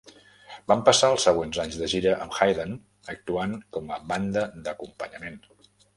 Van passar els següents anys de gira amb Hayden, actuant com a banda d'acompanyament.